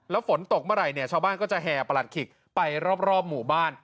แล้วฝนตกเมื่อไหร่เนี่ยชาวบ้านก็จะแห่ประหลัดขิกไปรอบหมู่บ้าน